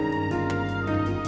mbak catherine kita mau ke rumah